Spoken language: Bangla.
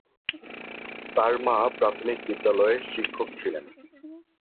তার মা প্রাথমিক বিদ্যালয়ের শিক্ষক ছিলেন।